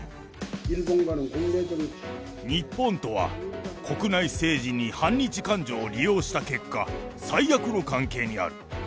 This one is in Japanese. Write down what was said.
日本とは国内政治に反日感情を利用した結果、最悪の関係にある。